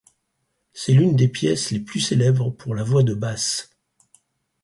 C'est l’une des pièces les plus célèbres pour la voix de basse.